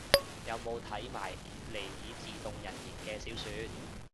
有冇睇埋尼爾自動人形嘅小說